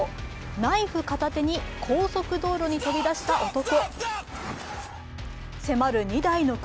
ナイフ片手に高速道路に飛び出した男。